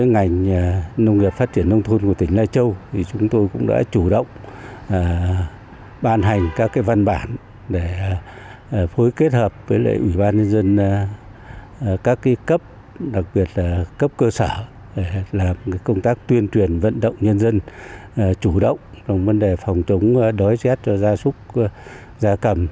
nông nghiệp phát triển nông thôn của tỉnh lai châu chúng tôi cũng đã chủ động ban hành các văn bản để phối kết hợp với ủy ban nhân dân các cấp đặc biệt là cấp cơ sở để làm công tác tuyên truyền vận động nhân dân chủ động trong vấn đề phòng chống đói rét cho gia súc gia cầm